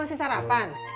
lo masih sarapan